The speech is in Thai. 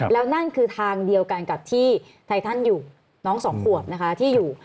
แล้วนั่นคือทางเดียวกันกับที่ไททันอยู่น้องสองขวบนะคะที่อยู่